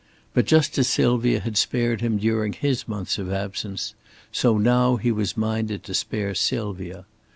But just as Sylvia had spared him during his months of absence, so now he was minded to spare Sylvia.